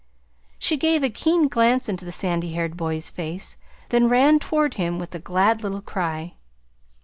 She gave a keen glance into the sandy haired boy's face, then ran toward him with a glad little cry.